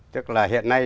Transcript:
tức là hiện nay